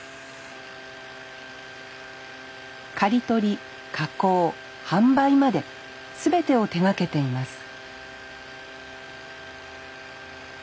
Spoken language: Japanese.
刈り取り加工販売まで全てを手がけています